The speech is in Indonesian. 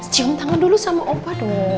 cium tangan dulu sama opa dulu